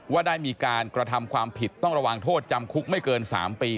ว่าได้มีการกระทำความผิดต้องระวังโทษจำคุกไม่เกิน๓ปี